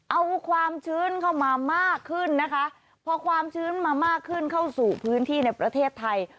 เอาความชื้นเข้ามามากขึ้นนะคะพอความชื้นมามากขึ้นเข้าสู่พื้นที่ในประเทศไทย